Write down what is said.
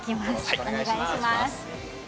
お願いします。